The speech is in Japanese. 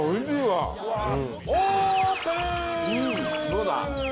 どうだ？